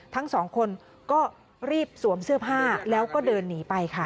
ทั้งสองคนก็รีบสวมเสื้อผ้าแล้วก็เดินหนีไปค่ะ